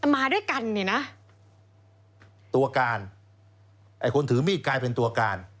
มาด้วยกันเนี่ยนะตัวการไอ้คนถือมีดกลายเป็นตัวการ